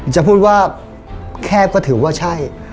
จะพูดว่าแคบก็ถือว่าใช่